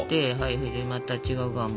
それでまた違う側も。